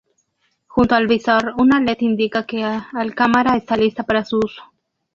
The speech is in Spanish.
Junto al visor, un led indica que al cámara está lista para su uso.